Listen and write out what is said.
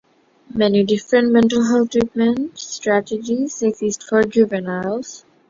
Many different mental health treatment strategies exist for juveniles.